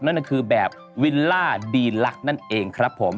นั่นก็คือแบบวิลล่าดีลักษณ์นั่นเองครับผม